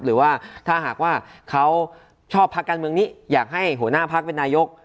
หรือว่าถ้าหากว่าเขาชอบพักการเมืองนี้อยากให้หัวหน้าพักเป็นนายก